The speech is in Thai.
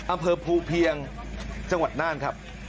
อำเภอภูเพียงจังหวัดน่านครับ